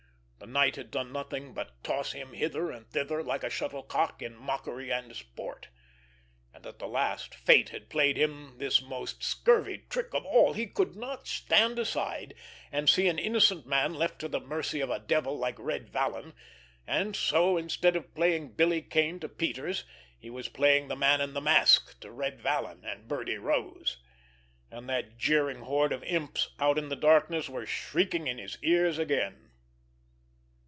The night had done nothing but toss him hither and thither like a shuttlecock in mockery and sport. And at the last fate had played him this most scurvy trick of all. He could not stand aside and see an innocent man left to the mercy of a devil like Red Vallon, and so, instead of playing Billy Kane to Peters, he was playing the man in the mask to Red Vallon and Birdie Rose! And that jeering horde of imps out of the darkness were shrieking in his ears again!